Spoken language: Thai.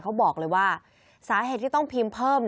เขาบอกเลยว่าสาเหตุที่ต้องพิมพ์เพิ่ม